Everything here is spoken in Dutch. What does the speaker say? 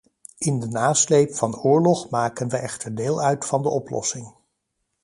In de nasleep van oorlog maken we echter deel uit van de oplossing.